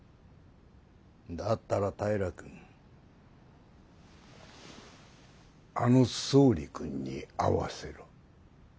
だったら平君あの総理君に会わせろ。